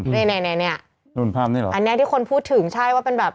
นู่นนี่นี่อันนี้ที่คนพูดถึงใช่ว่าเป็นแบบ